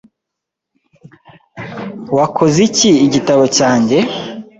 Wakoze iki igitabo cyanjye?